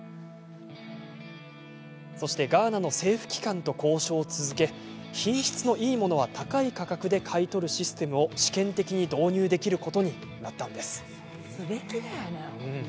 そして、ガーナの政府機関と交渉を続け、品質のいいものは高い価格で買い取るシステムを試験的に導入できることになったんです。